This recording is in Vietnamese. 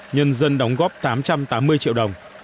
nhân dân đóng góp tám trăm tám mươi triệu đồng